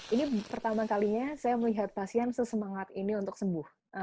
ini pertama kalinya saya melihat pasien sesemangat ini untuk sembuh